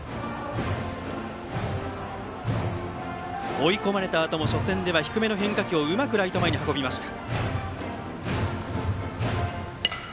追い込まれたあとも初戦では低めの変化球をうまくライト前に運びました。